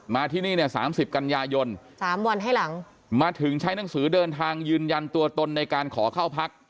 ที่นี่เนี่ย๓๐กันยายน๓วันให้หลังมาถึงใช้หนังสือเดินทางยืนยันตัวตนในการขอเข้าพัก